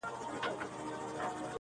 o د سپي په غپ پسي مه ځه!